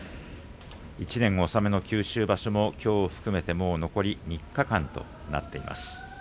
１年納めの九州場所もきょうを含めて残り３日間となっています。